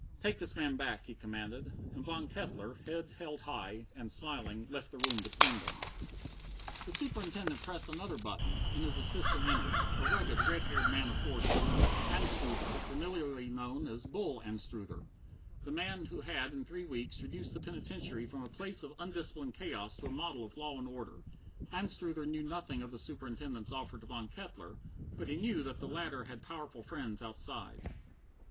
"Take this man back," he commanded, and Von Kettler, head held high, and smiling, left the room between them. The Superintendent pressed another button, and his assistant entered, a rugged, red haired man of forty Anstruther, familiarly known as "Bull" Anstruther, the man who had in three weeks reduced the penitentiary from a place of undisciplined chaos to a model of law and order. Anstruther knew nothing of the Superintendent's offer to Von Kettler, but he knew that the latter had powerful friends outside.